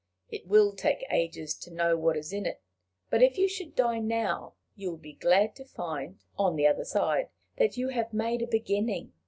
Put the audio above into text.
"It will take ages to know what is in it; but, if you should die now, you will be glad to find, on the other side, that you have made a beginning.